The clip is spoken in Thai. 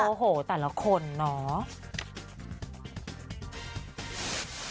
โอ้โฮแต่ละคนนะ